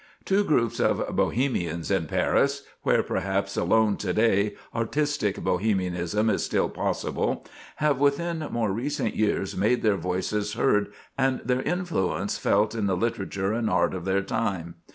Two groups of Bohemians in Paris—where perhaps alone to day artistic Bohemianism is still possible—have within more recent years made their voices heard and their influence felt in the literature and art of their time.